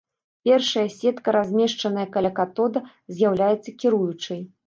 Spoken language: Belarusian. Першая сетка, размешчаная каля катода, з'яўляецца кіруючай.